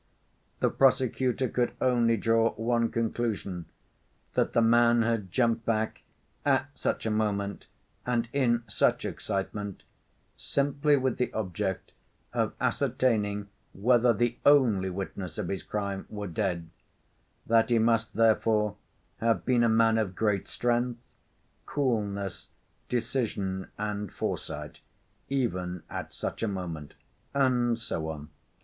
The prosecutor could only draw one conclusion: that the man had jumped back "at such a moment and in such excitement simply with the object of ascertaining whether the only witness of his crime were dead; that he must therefore have been a man of great strength, coolness, decision and foresight even at such a moment," ... and so on.